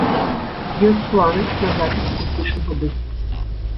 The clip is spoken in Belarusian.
Ёсць планы на запіс акустычнага дыску.